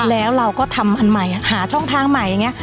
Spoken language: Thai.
แล้วเราก็ทำอันใหม่หาช่องทางใหม่อย่างนี้